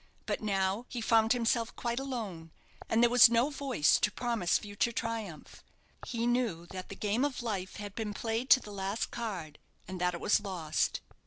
But now he found himself quite alone; and there was no voice to promise future triumph. He knew that the game of life had been played to the last card, and that it was lost.